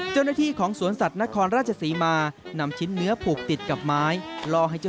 ดังนั้นทางสวนสัตว์จึงได้ให้เจ้าหน้าที่